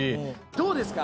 どうですか？